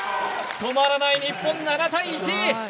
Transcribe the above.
止まらない日本、７対１！